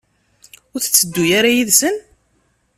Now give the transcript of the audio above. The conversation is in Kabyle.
Ur tetteddu ara yid-sen?